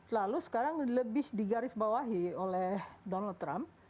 lalu sekarang lebih di garis bawahi oleh donald trump